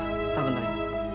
bentar bentar ya